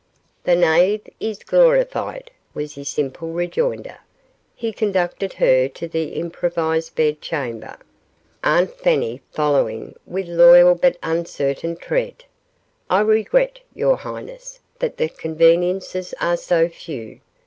"The knave is glorified," was his simple rejoinder. He conducted her to the improvised bed chamber, Aunt Fanny following with loyal but uncertain tread. "I regret, your highness, that the conveniences are so few.